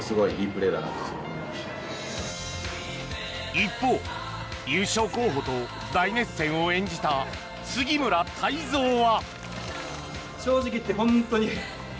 一方、優勝候補と大熱戦を演じた杉村太蔵は。